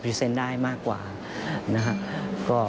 เซ็นต์ได้มากกว่านะครับ